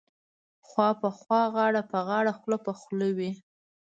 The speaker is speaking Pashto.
خوا په خوا غاړه په غاړه خوله په خوله وې.